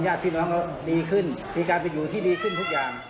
ญาติพี่น้องเขาดีขึ้นมีการไปอยู่ที่ดีขึ้นทุกอย่าง